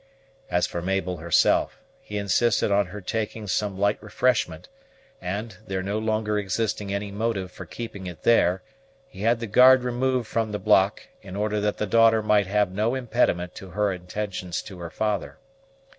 As for Mabel herself, he insisted on her taking some light refreshment; and, there no longer existing any motive for keeping it there, he had the guard removed from the block, in order that the daughter might have no impediment to her attentions to her father.